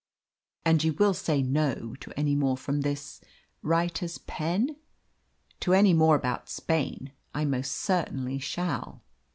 '" "And you will say 'No' to any more from this writer's pen?" "To any more about Spain I most certainly shall."